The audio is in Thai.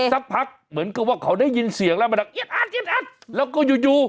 สักพักเหมือนเขาได้ยินเสียงแล้วมาล้างอาจแล้วก็อยู่